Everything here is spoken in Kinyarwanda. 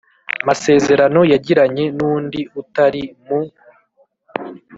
masezerano yagiranye n undi utari mu